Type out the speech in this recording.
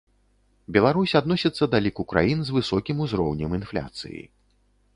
Беларусь адносіцца да ліку краін з высокім узроўнем інфляцыі.